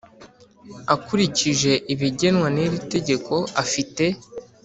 akurikije ibigenwa n iri tegeko afite